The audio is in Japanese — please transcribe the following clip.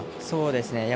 そうですね。